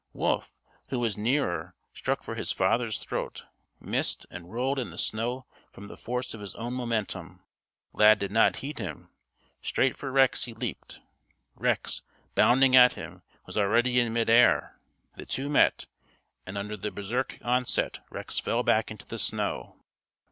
Wolf, who was nearer, struck for his father's throat missed and rolled in the snow from the force of his own momentum. Lad did not heed him. Straight for Rex he leaped. Rex, bounding at him, was already in midair. The two met, and under the Berserk onset Rex fell back into the snow.